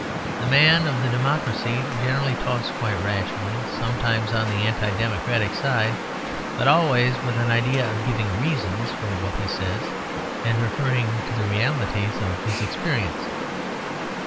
The man of the democracy generally talks quite rationally, sometimes on the anti democratic side, but always with an idea of giving reasons for what he says and referring to the realities of his experience.